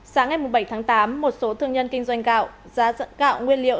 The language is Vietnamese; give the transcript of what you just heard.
sáng ngày bảy tháng tám một số thương nhân kinh doanh gạo giá gạo nguyên liệu